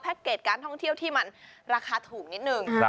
เกจการท่องเที่ยวที่มันราคาถูกนิดนึง